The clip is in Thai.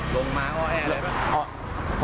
ลงมาอ้อแออะไรป่ะ